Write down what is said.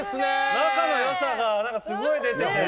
仲のよさがすごい出てて。